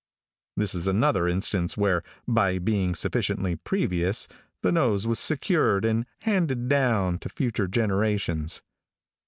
This is another instance where, by being sufficiently previous, the nose was secured and handed down to future generations.